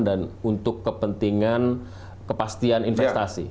dan untuk kepentingan kepastian investasi